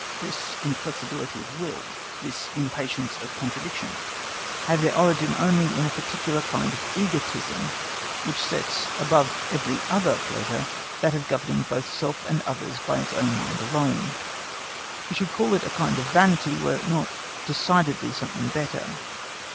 This inflexibility of will, this impatience of contradiction, have their origin only in a particular kind of egotism, which sets above every other pleasure that of governing both self and others by its own mind alone. We should call it a kind of vanity, were it not decidedly something better.